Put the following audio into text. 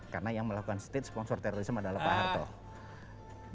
karena yang melakukan state sponsored terrorism adalah pak harto